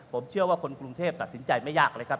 ผมเชื่อว่าคนกรุงเทพตัดสินใจไม่ยากเลยครับ